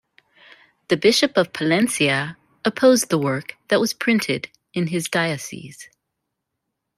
The Bishop of Palencia opposed the work that was printed in his diocese.